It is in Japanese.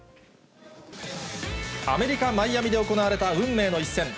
アメリカ・マイアミで行われた運命の一戦。